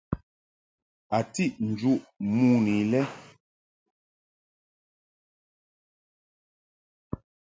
A tiʼ njuʼ mon i lɛ.